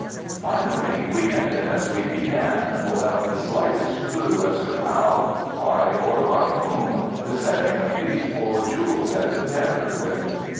Finally, we ended as we began, without the slightest clue as to how, why, or by whom the setting of these four jewels had been tampered with.